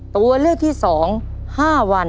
ตัวเลือกที่๒๕วัน